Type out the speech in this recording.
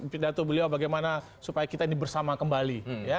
pidato beliau bagaimana supaya kita ini bersama kembali